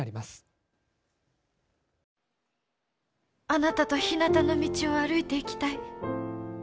あなたとひなたの道を歩いていきたい。